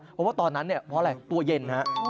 เพราะว่าตอนนั้นเนี่ยเพราะอะไรตัวเย็นฮะ